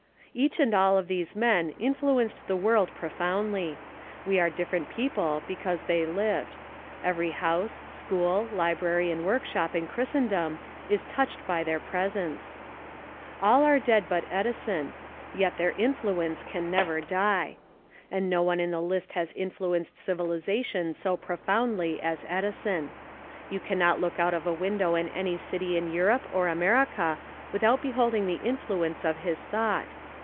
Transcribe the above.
Each and all of these men influenced the world profoundly. We are different people because they lived. Every house, school, library and workshop in Christendom is touched by their presence. All are dead but Edison, yet their influence can never die. And no one in the list has influenced civilization so profoundly as Edison. You can not look out of a window in any city in Europe or America without beholding the influence of his thought.